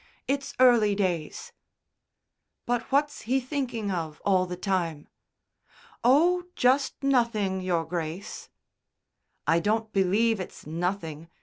It's early days." "But what's he thinking of all the time?" "Oh, just nothing, Your Grace." "I don't believe it's nothing.